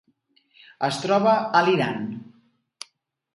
Es troba a l'Iran.